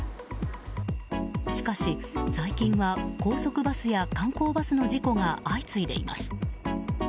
しかし最近は、高速バスや観光バスの事故が相次いでいます。